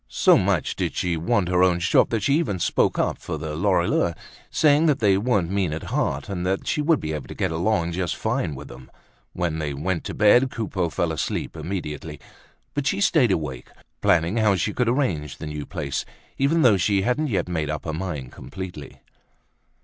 So much did she want her own shop that she even spoke up for the Lorilleuxs, saying that they weren't mean at heart and that she would be able to get along just fine with them. When they went to bed, Coupeau fell asleep immediately, but she stayed awake, planning how she could arrange the new place even though she hadn't yet made up her mind completely.